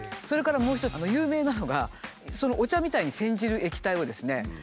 それからもう一つ有名なのがお茶みたいに煎じる液体をですね